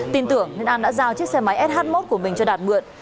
tin tưởng nên an đã giao chiếc xe máy sh một của mình cho đạt mượn